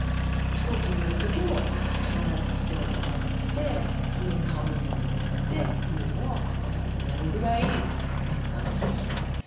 飛行機に乗る時も必ずストールを持って上に羽織るもの持ってっていうのは欠かさずやるぐらい末端冷え性です。